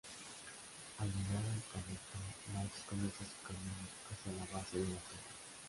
Al llegar al planeta, Max comienza su camino hacia la base de la torre.